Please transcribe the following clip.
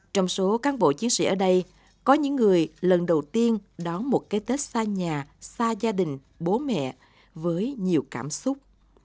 trong số cán bộ chiến sĩ ở đây có những người lần đầu tiên đón một cái tết xa nhà xa gia đình bố mẹ với nhiều cảm xúc